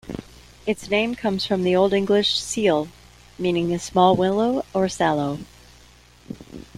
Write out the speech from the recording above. Its name comes from the Old English "sealh" meaning a small willow or sallow.